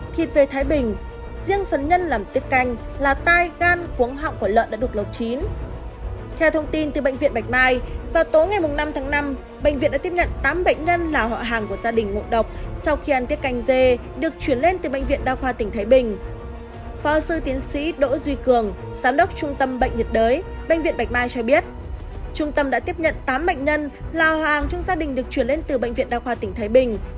trung tâm đã tiếp nhận tám bệnh nhân là họ hàng trong gia đình được chuyển lên từ bệnh viện đa khoa tỉnh thái bình